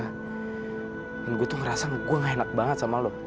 dan gue tuh ngerasa gue gak enak banget sama lo